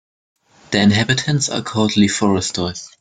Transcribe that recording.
The inhabitants are called "Leforestois".